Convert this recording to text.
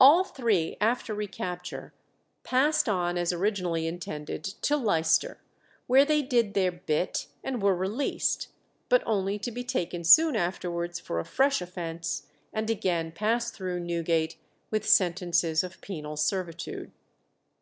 All three after recapture passed on, as originally intended, to Leicester, where they did their "bit" and were released; but only to be taken soon afterwards for a fresh offence, and again pass through Newgate with sentences of penal servitude.